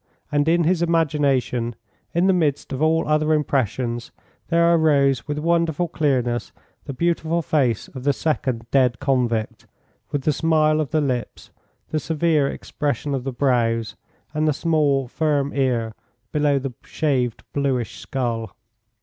And in his imagination in the midst of all other impressions there arose with wonderful clearness the beautiful face of the second dead convict, with the smile of the lips, the severe expression of the brows, and the small, firm ear below the shaved bluish skull.